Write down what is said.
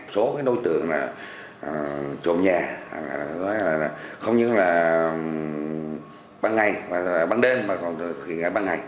số đối tượng trộm nhà không những là ban ngày ban đêm mà còn là ban ngày